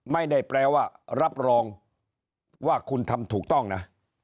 ไม่ได้แปลว่ารับรองว่าคุณทำถูกต้องนะ